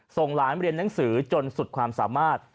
ส่งหลานเรียนหนังสือจนสุดความสามารถ